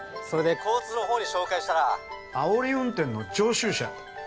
それで交通の方に照会したらあおり運転の常習者？